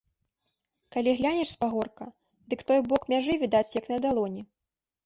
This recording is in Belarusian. Калі глянеш з пагорка, дык той бок мяжы відаць, як на далоні.